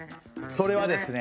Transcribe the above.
それはですね。